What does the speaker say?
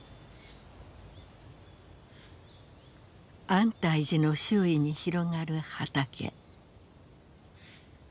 安泰寺の周囲に広がる畑。